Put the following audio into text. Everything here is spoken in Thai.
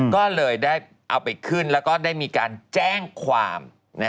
ก็เลยได้เอาไปขึ้นแล้วก็ได้มีการแจ้งความ